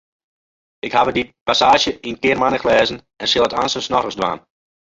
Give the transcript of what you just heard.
Ik haw dy passaazje in kearmannich lêzen en sil it aanstens noch ris dwaan.